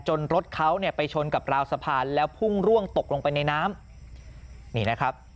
จนรถเขาไปชนกับราวสะพานแล้วพุ่งร่วงตกลงไปในน้ำ